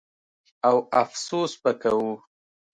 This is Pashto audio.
او افسوس به کوو.